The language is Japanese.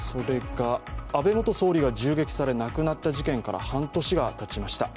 安倍元総理が銃撃され亡くなった事件から半年がたちました。